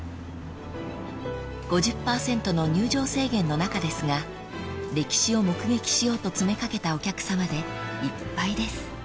［５０％の入場制限の中ですが歴史を目撃しようと詰め掛けたお客さまでいっぱいです］